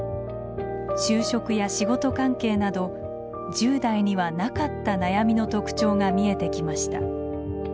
就職や仕事関係など１０代にはなかった悩みの特徴が見えてきました。